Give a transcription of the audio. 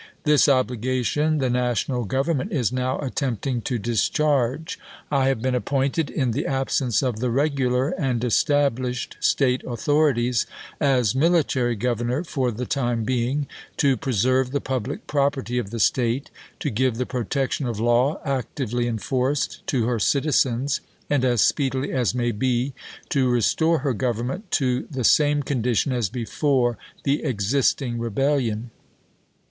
.. This obligation the National Govern ment is now attempting to discharge. I have been ap MILITAEY GOVERNOKS 345 pointed, in the absence of the regular and established State authorities, as military governor for the time being, to preserve the public property of the State, to give the protection of law actively enforced to her citizens, and, as speedily as may be, to restore her government to the same condition as before the existing rebellion.